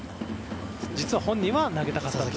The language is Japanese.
実は本人は投げたかったと。